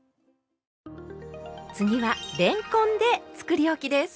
次はれんこんでつくりおきです。